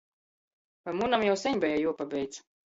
Pa munam jau seņ beja juopabeidz.